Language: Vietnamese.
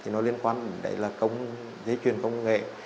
nó liên quan đến giới truyền công nghệ